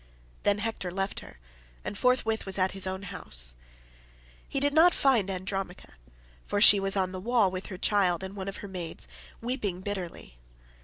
Then Hector left her, and forthwith was at his own house. He did not find Andromache, for she was on the wall with her child and one of her maids, weeping bitterly.